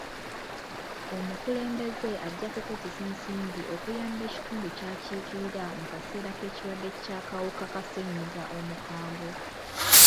Omukulembeze ajja kukozesa ensimbi okuyamba ekitundu ky'akiikirira mu kaseera k'ekirwadde ky'akawuka ka ssenyiga omukambwe.